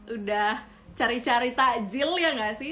udah cari cari takjil ya nggak sih